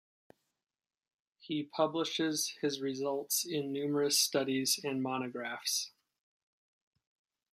He published his results in numerous studies and monographs.